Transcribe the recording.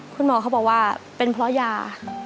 คุณหมอเขาบอกว่าเป็นเพราะยา